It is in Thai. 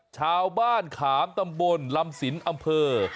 ชาวบ้านขามตำบลลำสินอำเภอ